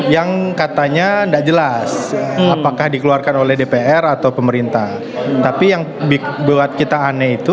yang katanya enggak jelas apakah dikeluarkan oleh dpr atau pemerintah tapi yang buat kita aneh itu